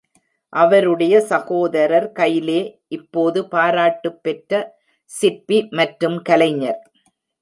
அவருடைய சகோதரர் கைலே இப்போது பாராட்டுபெற்ற சிற்பி மற்றும் கலைஞர்.